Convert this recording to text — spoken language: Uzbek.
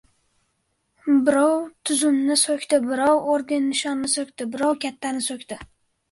Birov tuzumni so‘kdi, birov orden-nishonni so‘kdi, birov kattani so‘kdi!